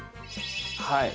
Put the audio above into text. はい。